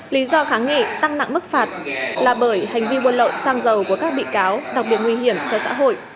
lý do kháng nghị tăng nặng mức phạt là bởi hành vi buôn lậu xăng dầu của các bị cáo đặc biệt nguy hiểm cho xã hội